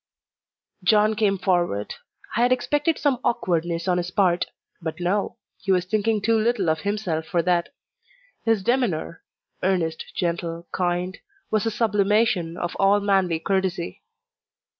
John came forward. I had expected some awkwardness on his part; but no he was thinking too little of himself for that. His demeanour earnest, gentle, kind was the sublimation of all manly courtesy.